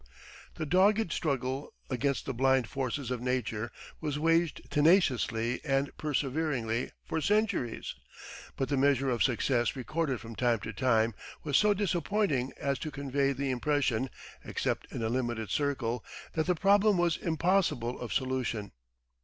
The dogged struggle against the blind forces of Nature was waged tenaciously and perseveringly for centuries. But the measure of success recorded from time to time was so disappointing as to convey the impression, except in a limited circle, that the problem was impossible of solution.